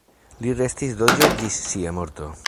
Li restis doĝo ĝis sia morto.